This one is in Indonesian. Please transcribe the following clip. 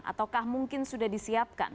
ataukah mungkin sudah disiapkan